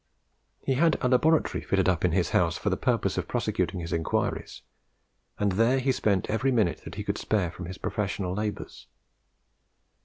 He had a laboratory fitted up in his house for the purpose of prosecuting his inquiries, and there he spent every minute that he could spare from his professional labours.